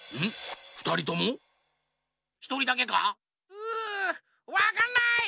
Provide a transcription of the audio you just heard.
うわかんない！